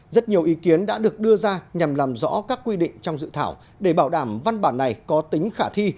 rất nhiều ý kiến đã được đưa ra nhằm làm rõ các quy định trong dự thảo để bảo đảm văn bản này có tính khả thi